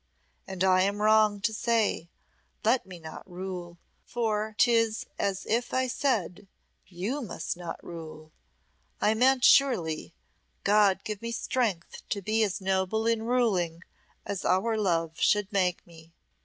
And I am wrong to say, 'Let me not rule,' for 'tis as if I said, 'You must not rule.' I meant surely, 'God give me strength to be as noble in ruling as our love should make me.'